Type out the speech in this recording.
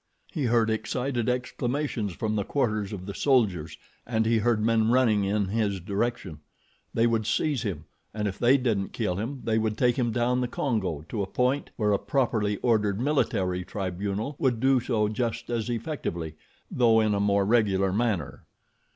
He heard excited exclamations from the quarters of the soldiers and he heard men running in his direction. They would seize him, and if they didn't kill him they would take him down the Congo to a point where a properly ordered military tribunal would do so just as effectively, though in a more regular manner.